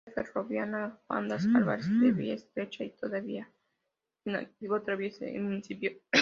La red ferroviaria Mandas-Arbatax, de vía estrecha y todavía en activo, atraviesa el municipio.